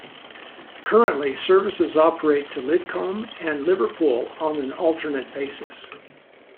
Currently services operate to Lidcombe and Liverpool on an alternate basis.